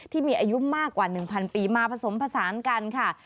ที่มีอายุมากกว่า๑๐๐ปีมาผสมผสานกันค่ะ